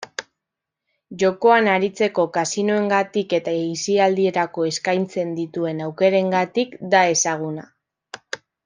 Jokoan aritzeko kasinoengatik eta aisialdirako eskaintzen dituen aukerengatik da ezaguna.